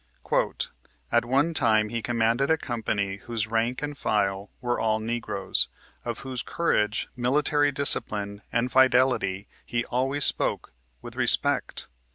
"At one time he commanded a company whose rank and file were all Negroes, of whose courage, military discipline and fidelity he always spoke with respect.